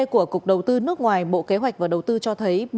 của cục đầu tư nước ngoài bộ kế hoạch và đầu tư cho thấy